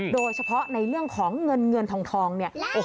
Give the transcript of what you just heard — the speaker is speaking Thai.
โดยเฉพาะในเรื่องของเงินทองนี่